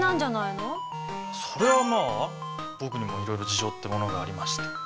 それはまあ僕にもいろいろ事情ってものがありまして。